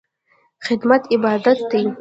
خدمت عبادت دی